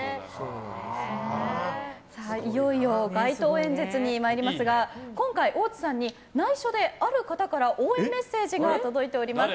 いよいよ街頭演説に参りますが今回大津さんに内緒である方から応援メッセージが届いています。